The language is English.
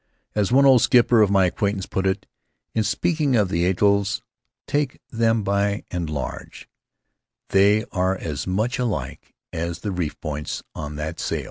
As one old skipper of my acquaintance put it, in speaking of the atolls, "Take them by and large, they are as much alike as the reef points on that sail."